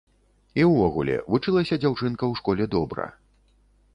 І ўвогуле, вучылася дзяўчынка ў школе добра.